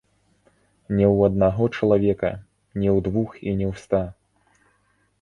Не ў аднаго чалавека, не ў двух і не ў ста.